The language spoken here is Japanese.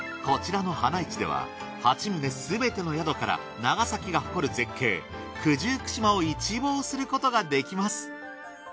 こちらのはな一では８棟すべての宿から長崎が誇る絶景九十九島を一望することができます。